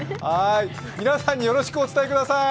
皆さんによろしくお伝えください。